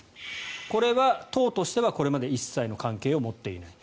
これは党としてはこれまで一切の関係を持っていない。